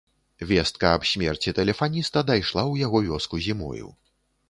Вестка аб смерці тэлефаніста дайшла ў яго вёску зімою.